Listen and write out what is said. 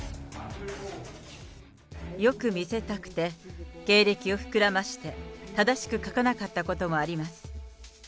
よく見せたくて、経歴を膨らまして、正しく書かなかったこともあります。